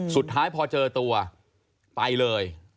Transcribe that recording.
สุดท้ายพอเจอตัวไปเลย